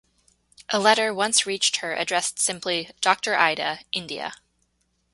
A letter once reached her addressed simply, Doctor Ida, India.